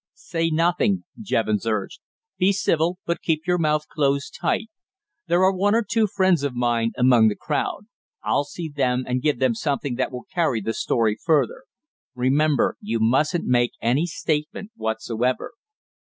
"Say nothing," Jevons urged. "Be civil, but keep your mouth closed tight. There are one or two friends of mine among the crowd. I'll see them and give them something that will carry the story further. Remember, you mustn't make any statement whatsoever."